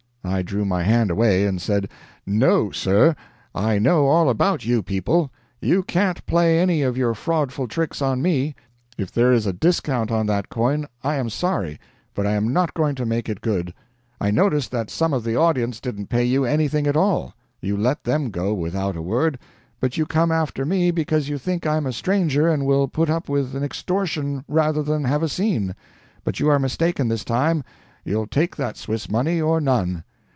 I drew my hand away, and said: "NO, sir. I know all about you people. You can't play any of your fraudful tricks on me. If there is a discount on that coin, I am sorry, but I am not going to make it good. I noticed that some of the audience didn't pay you anything at all. You let them go, without a word, but you come after me because you think I'm a stranger and will put up with an extortion rather than have a scene. But you are mistaken this time you'll take that Swiss money or none."